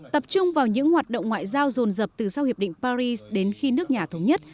tập trung vào những hoạt động ngoại giao rồn rập từ sau hiệp định paris đến khi nước nhà thống nhất